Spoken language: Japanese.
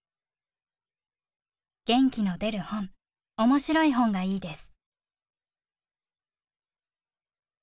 「『元気の出る本』、『面白い本』がいいです」。